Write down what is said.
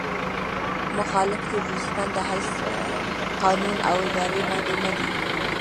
مخالف تروريستان د هېڅ قانون او ادارې پابند نه دي.